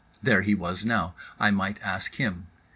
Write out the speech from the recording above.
There he was now. I might ask him.